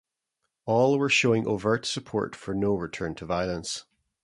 All were showing overt support for no return to violence.